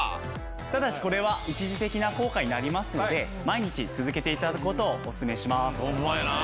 ただしこれは一時的な効果になりますので毎日続けて頂く事をおすすめします。